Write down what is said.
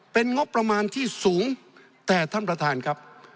เป็นงบประมาณที่สูงแต่ท่านประธานครับ